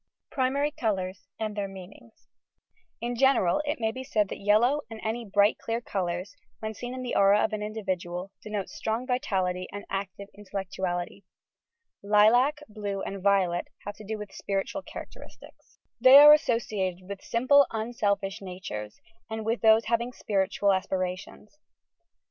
THE PRIMART COLOURS AND THEIR HEANINQS In general it may be said that yellow and any bright clear colours, when seen in the aura of an individual, denote strong vitality and active intellectuality. Lilac, blue and violet have to do with spiritual characteristica. ^ COLOUR AND ITS INTERPRETATION 101 They are associated with simple, unselfish natures, and with those having spiritual aspirations.